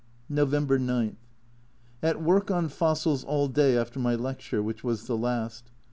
November 9. At work on fossils all day after my lecture, which was the last.